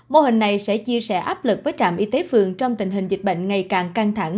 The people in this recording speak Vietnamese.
mô hình này sẽ chia sẻ áp lực với trạm y tế phường trong tình hình dịch bệnh ngày càng căng thẳng